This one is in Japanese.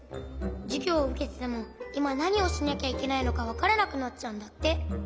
じゅぎょうをうけててもいまなにをしなきゃいけないのかわからなくなっちゃうんだって。